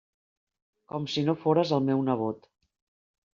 Com si no fores el meu nebot.